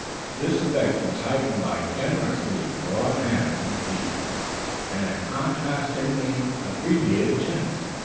This effect was heightened by generously broad hands and feet and a contrastingly abbreviated chin.